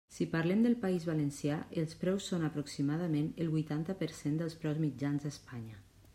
Si parlem del País Valencià, els preus són aproximadament el huitanta per cent dels preus mitjans a Espanya.